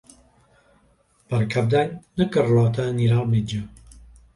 Per Cap d'Any na Carlota anirà al metge.